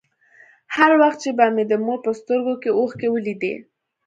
هر وخت چې به مې د مور په سترگو کښې اوښکې ولېدې.